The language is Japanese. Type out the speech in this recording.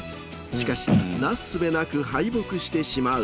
しかしなすすべなく敗北してしまう。